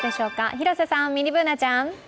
広瀬さん、ミニＢｏｏｎａちゃん。